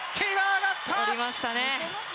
上がりましたね。